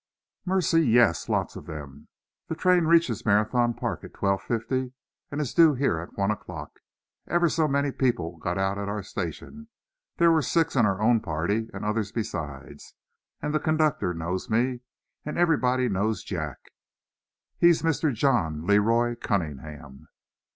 "Mercy, yes! Lots of them. The train reaches Marathon Park at 12: 50, and is due here at one o'clock. Ever so many people got out at our station. There were six in our own party, and others besides. And the conductor knows me, and everybody knows Jack. He's Mr. John Le Roy Cunningham."